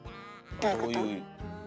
どういうこと？